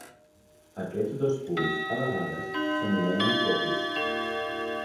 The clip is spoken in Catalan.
Aquests dos punts, a vegades, s'anomenen focus.